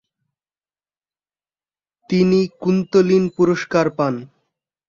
তিনি কুন্তলীন পুরস্কার পান।